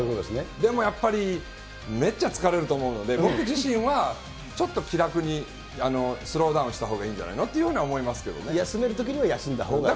でもやっぱり、めっちゃ疲れると思うので、僕自身はちょっと気楽にスローダウンしたほうがいいんじゃないの休めるときには休んだほうがいい。